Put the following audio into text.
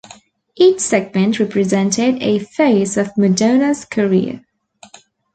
Each segment represented a phase of Madonna's career.